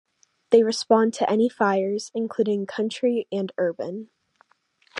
They respond to any fires including country and urban.